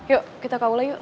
yuk kita kaula yuk